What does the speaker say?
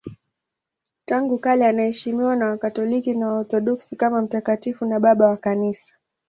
Tangu kale anaheshimiwa na Wakatoliki na Waorthodoksi kama mtakatifu na Baba wa Kanisa.